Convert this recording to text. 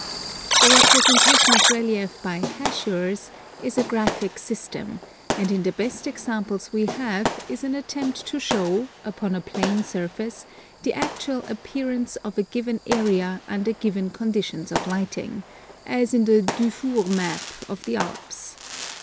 The representation of relief by hachures is a graphic system, and in the best examples we have is an attempt to show, upon a plane surface, the actual appearance of a given area under given conditions of lighting, — as in the Dufour map of the Alps.